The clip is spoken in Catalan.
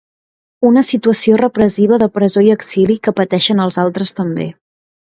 Una situació repressiva de presó i exili que pateixen els altres també.